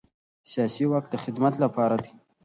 سیاسي واک د خدمت لپاره دی